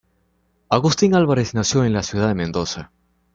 Agustín Álvarez nació en la ciudad de Mendoza.